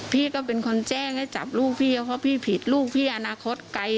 พี่ก็เป็นคนแจ้งให้จับลูกพี่เพราะพี่ผิดลูกพี่อนาคตไกล